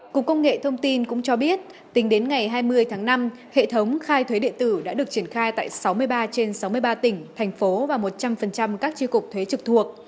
cục công nghệ thông tin cũng cho biết tính đến ngày hai mươi tháng năm hệ thống khai thuế điện tử đã được triển khai tại sáu mươi ba trên sáu mươi ba tỉnh thành phố và một trăm linh các tri cục thuế trực thuộc